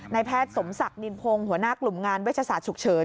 แพทย์สมศักดิ์นินพงศ์หัวหน้ากลุ่มงานเวชศาสตร์ฉุกเฉิน